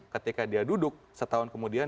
ketika dia duduk setahun kemudian